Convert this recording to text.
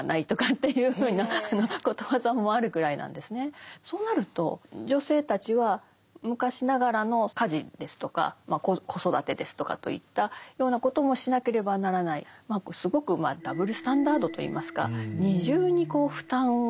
ところがそうなると女性たちは昔ながらの家事ですとか子育てですとかといったようなこともしなければならないすごくダブルスタンダードといいますか二重に負担が課せられていたんですね。